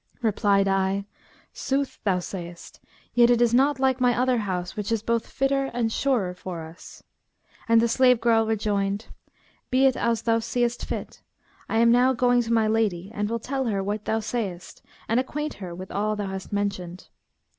Replied I, 'Sooth thou sayest; yet is it not like my other house which is both fitter and surer for us;' and the slave girl rejoined 'Be it as thou seest fit. I am now going to my lady and will tell her what thou sayest and acquaint her with all thou hast mentioned.'